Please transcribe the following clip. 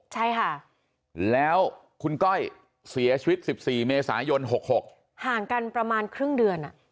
ใช่ค่ะแล้วคุณก้อยเสียชีวิต๑๔เมษายน๖๖ห่างกันประมาณครึ่งเดือน